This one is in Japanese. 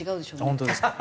本当ですか？